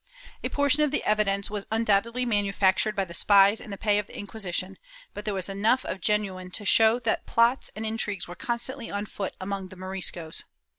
A portion of the evidence was undoubtedly manufactured by the spies in the pay of the Inqui sition, but there was enough of genuine to show that plots and intrigues were constantly on foot among the Moriscos.